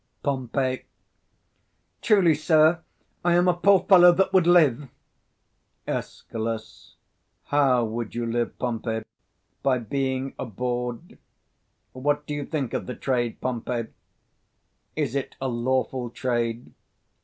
Pom. Truly, sir, I am a poor fellow that would live. Escal. How would you live, Pompey? by being a 210 bawd? What do you think of the trade, Pompey? is it a lawful trade?